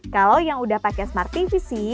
kalau yang udah pakai smart tv sih